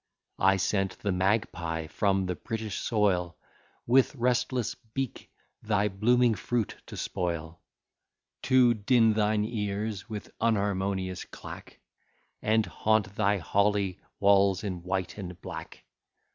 I sent the magpie from the British soil, With restless beak thy blooming fruit to spoil; To din thine ears with unharmonious clack, And haunt thy holy walls in white and black.